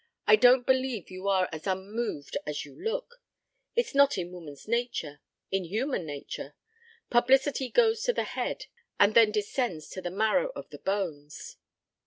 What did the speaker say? I don't believe you are as unmoved as you look. It's not in woman's nature in human nature. Publicity goes to the head and then descends to the marrow of the bones."